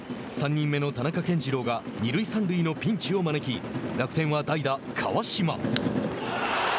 ３人目の田中健二朗が二塁三塁のピンチを招き楽天は、代打川島。